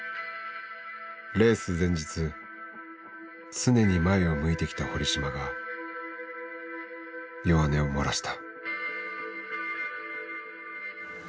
レース前日常に前を向いてきた堀島が弱音を漏らした。